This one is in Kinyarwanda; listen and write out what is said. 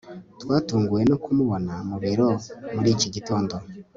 twatunguwe no kumubona mu biro muri iki gitondo